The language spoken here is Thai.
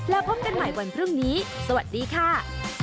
แล้วพบกันใหม่วันพรุ่งนี้สวัสดีค่ะ